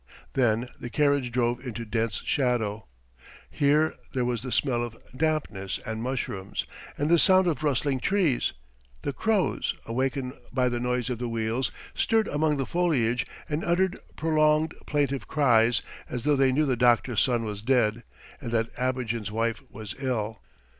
Then the carriage drove into dense shadow; here there was the smell of dampness and mushrooms, and the sound of rustling trees; the crows, awakened by the noise of the wheels, stirred among the foliage and uttered prolonged plaintive cries as though they knew the doctor's son was dead and that Abogin's wife was ill.